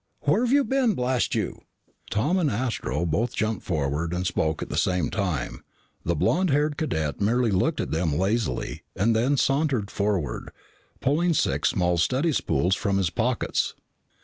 "Where've you been, blast you?" Tom and Astro both jumped forward and spoke at the same time. The blond haired cadet merely looked at them lazily and then sauntered forward, pulling six small study spools from his pockets.